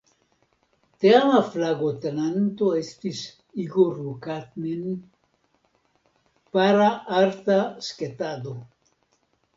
Teama flagotenanto estis "Igor Lukanin" (para arta sketado).